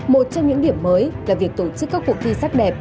một trong những điểm mới là việc tổ chức các cuộc thi sắc đẹp